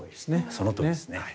そのとおりです。